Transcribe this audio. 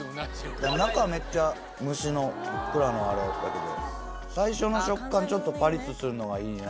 中めっちゃ蒸しのふっくらのあれだけど最初の食感ちょっとパリっとするのがいいね。